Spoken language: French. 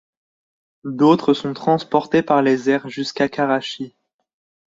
D'autres sont transportés par les airs jusqu'à Karachi.